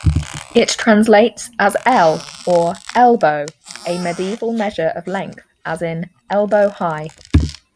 It translates as "ell" or "elbow", a medieval measure of length, as in "elbow-high".